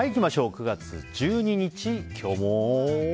９月１２日、今日も。